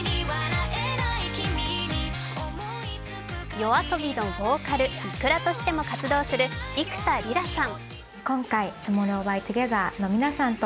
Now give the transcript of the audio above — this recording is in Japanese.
ＹＯＡＳＯＢＩのボーカルｉｋｕｒａとしても活躍する幾田りらさん。